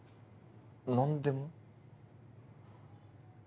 何でも？